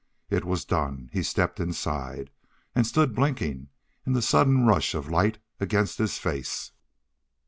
It was done; he stepped inside, and stood blinking in the sudden rush of light against his face.